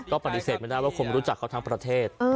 ก็ปฏิเสธไม่ได้ว่าคนรู้จักเขาทั้งประเทศ